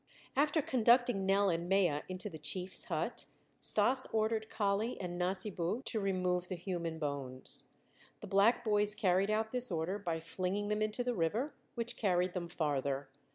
After conducting Nell and Mea into the chief's hut, Stas ordered Kali and Nasibu to remove the human bones. The black boys carried out this order by flinging them into the river, which carried them farther.